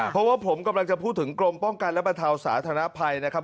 เพราะว่าผมกำลังจะพูดถึงกรมป้องกันและบรรเทาสาธารณภัยนะครับ